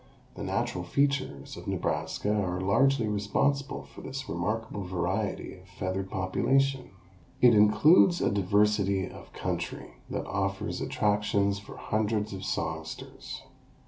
The natural features of Nebraska are largely responsible for this remarkable variety of feathered population. It includes a diversity of country that offers attractions for hundreds of songsters.